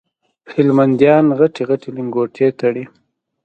هلمنديان غټي غټي لنګوټې تړي